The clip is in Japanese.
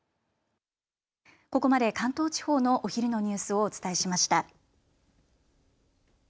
ここまで関東地方のお昼のニュースをお伝えしました。